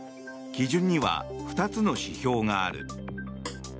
基準には２つの指標がある。